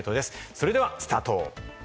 それではスタート。